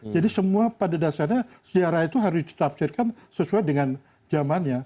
semua pada dasarnya sejarah itu harus ditafsirkan sesuai dengan zamannya